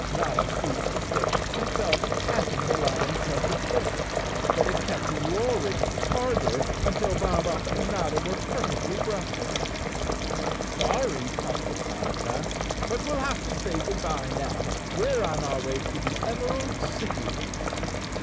Notta seized a stick and fell to patting the lion's head with this, but it kept roaring harder until Bob Up and Notta were perfectly breath¬ less. " Sorry," puffed the clown at last, " but we'll have to say good bye now. We're on our way to the Emerald City."